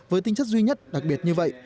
với tinh chất duy nhất đặc biệt như vậy